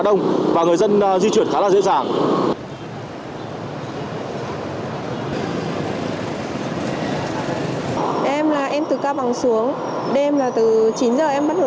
đông và người dân di chuyển khá là dễ dàng em là em từ cao bằng xuống đêm là từ chín giờ em bắt đầu